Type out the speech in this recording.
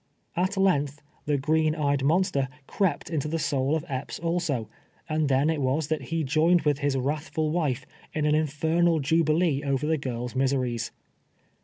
At length " the green eyed monster " crept into the soul of Epps also, and then it was that he joined with his wrathful wife in an infernal jubilee over the girl's miseries.